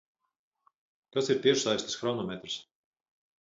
Kas ir tiešsaistes hronometrs?